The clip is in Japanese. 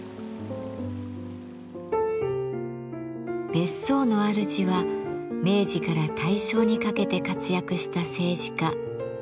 別荘のあるじは明治から大正にかけて活躍した政治家山縣有朋。